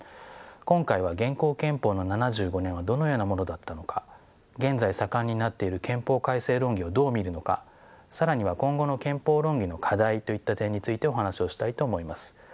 今回は現行憲法の７５年はどのようなものだったのか現在盛んになっている憲法改正論議をどう見るのか更には今後の憲法論議の課題といった点についてお話をしたいと思います。